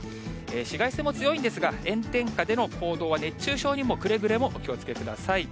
紫外線も強いんですが、炎天下での行動は熱中症にもくれぐれもお気をつけください。